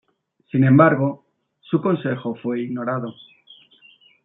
Sin embargo, su consejo fue ignorado.